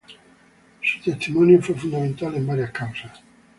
Su testimonio fue fundamental en varias causas.